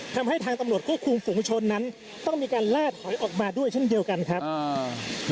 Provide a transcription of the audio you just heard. ทำให้ทางตำรวจควบคุมฝุงชนนั้นต้องมีการล่าถอยออกมาด้วยเช่นเดียวกันครับอ่า